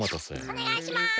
おねがいします。